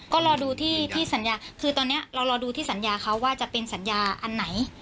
ก็รอดูที่สัญญาคือตอนนี้เรารอดูที่สัญญาเขาว่าจะเป็นสัญญาอันไหน